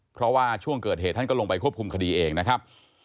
เพราะว่าช่วงเกิดเหตุท่านก็ลงไปควบคุมคดีเองนะครับ